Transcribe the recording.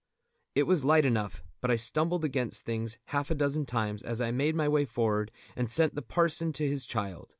It was light enough, but I stumbled against things half a dozen times as I made my way forward and sent the parson to his child.